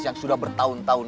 yang sudah bertahun tahun